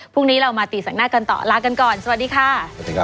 พรุ่งนี้เรามาตีแสงหน้ากันต่อลากันก่อนสวัสดีค่ะ